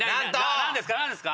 何ですか？